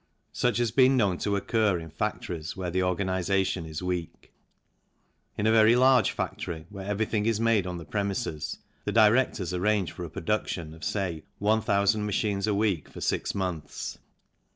Such has been known to occur in factories where the organization is weak. In a very large factory, where everything is made on the premises, the directors arrange for a production of, say, 1,000 machines a week for six months.